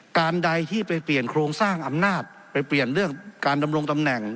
การใดที่ไปเปลี่ยนโครงสร้างอำนาจไปเปลี่ยนเรื่องการดำรงตำแหน่ง